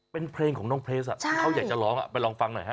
เป็นเพลงของน้องเพชรอ่ะเขาอยากจะร้องอ่ะไปลองฟังหน่อยครับใช่